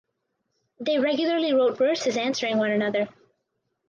They regularly wrote verses answering one another.